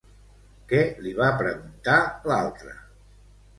Què li va preguntar l'altre?